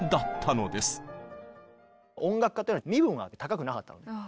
音楽家っていうのは身分が高くなかったの。